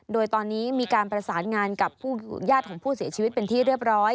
โดยตอนนี้มีการประสานงานกับญาติของผู้เสียชีวิตเป็นที่เรียบร้อย